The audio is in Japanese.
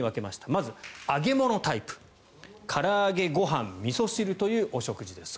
まず揚げ物タイプ。から揚げ、ご飯、みそ汁というお食事です。